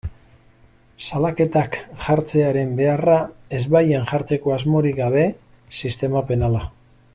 Salaketak jartzearen beharra ezbaian jartzeko asmorik gabe, sistema penala.